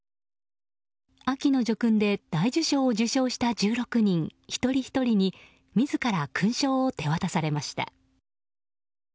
秋の叙勲で大綬章を受章した１６人、一人ひとりに自ら勲章を手渡されました。